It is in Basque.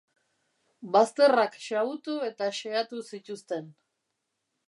Bazterrak xahutu eta xehatu zituzten.